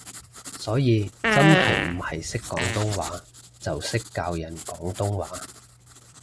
所以真係唔係識廣東話就識教人廣東話